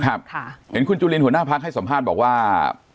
เห็นคุณจุลินหัวหน้าพักให้สัมภาษณ์บอกว่า